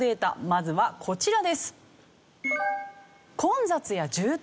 まずはこちらです。